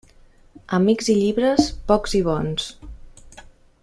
Amics i llibres, pocs i bons.